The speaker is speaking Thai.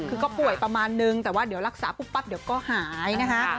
คือก็ป่วยประมาณนึงแต่ว่าเดี๋ยวรักษาปุ๊บปั๊บเดี๋ยวก็หายนะคะ